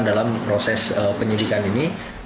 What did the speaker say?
dalam proses penyelidikan ini